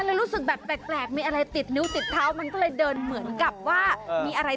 สงสารมากมันกันเนาะ